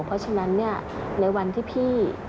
เพราะฉะนั้นในวันที่พี่